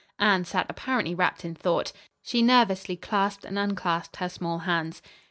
Anne sat apparently wrapped in thought. She nervously clasped and unclasped her small hands.